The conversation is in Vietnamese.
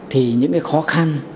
thì những khó khăn